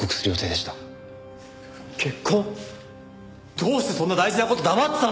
どうしてそんな大事な事黙ってたんだよ！